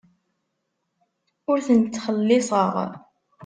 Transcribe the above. Ur ten-ttxelliṣeɣ.